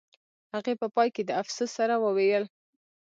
هغې په پای کې د افسوس سره وویل